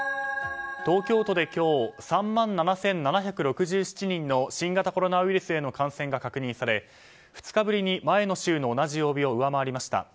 東京都で今日３万７７６７人の新型コロナウイルスへの感染が確認され２日ぶりに前の週の同じ曜日を上回りました。